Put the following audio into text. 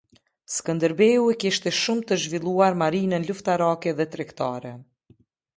Skënderbeu e kishte shumë të zhvilluar marinën luftarake dhe tregtare.